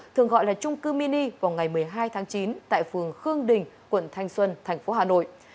thường gọi là trung cư mini vào ngày một mươi hai tháng chín tại phường khương đình quận thanh xuân thành phố hà nội